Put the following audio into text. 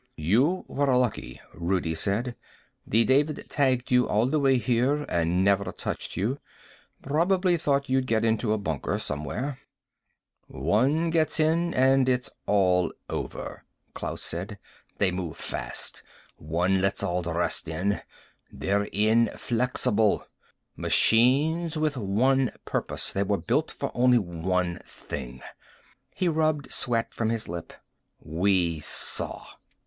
"You were lucky," Rudi said. "The David tagged you all the way here and never touched you. Probably thought you'd get it into a bunker, somewhere." "One gets in and it's all over," Klaus said. "They move fast. One lets all the rest inside. They're inflexible. Machines with one purpose. They were built for only one thing." He rubbed sweat from his lip. "We saw."